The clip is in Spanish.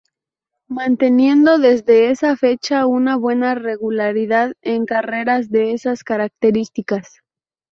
Manteniendo desde esa fecha una buena regularidad en carreras de esas características.